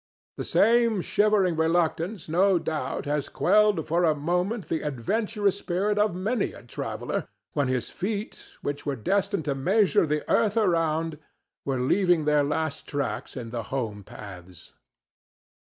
The same shivering reluctance, no doubt, has quelled for a moment the adventurous spirit of many a traveller when his feet, which were destined to measure the earth around, were leaving their last tracks in the home paths.